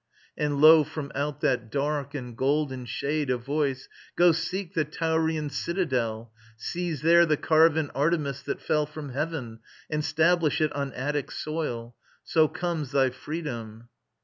And, lo, from out that dark and golden shade A voice: "Go, seek the Taurian citadel: Seize there the carven Artemis that fell From heaven, and stablish it on Attic soil. So comes thy freedom."